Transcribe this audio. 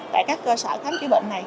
tại các cơ sở khám chữa bệnh này